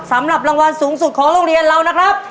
สำหรับรางวัลสูงสุดของโรงเรียนเรานะครับ